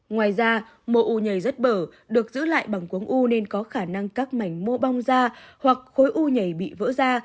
ngoài ra mổ u nhảy rất bở được giữ lại bằng cuống u nên có khả năng các mảnh mô bong ra hoặc khối u nhảy bị vỡ ra